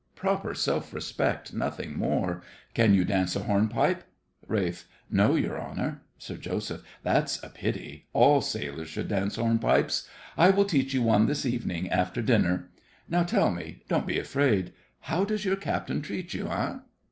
Proper self respect, nothing more. Can you dance a hornpipe? RALPH. No, your honour. SIR JOSEPH. That's a pity: all sailors should dance hornpipes. I will teach you one this evening, after dinner. Now tell me—don't be afraid— how does your captain treat you, eh?